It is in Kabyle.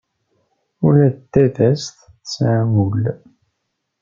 Ula d tadast tesɛa ul.